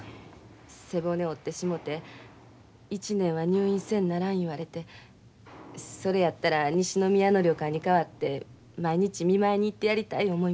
背骨折ってしもて１年は入院せんならん言われてそれやったら西宮の旅館にかわって毎日見舞いに行ってやりたい思いまして。